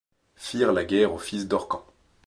Firent la guerre aux fils d’Orcan